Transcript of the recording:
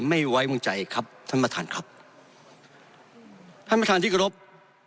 ไม่ไว้วางใจครับท่านประธานครับท่านประธานที่กรบ